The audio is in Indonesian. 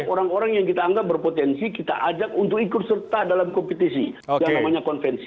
orang orang yang kita anggap berpotensi kita ajak untuk ikut serta dalam kompetisi yang namanya konvensi